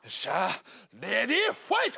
レディーファイト！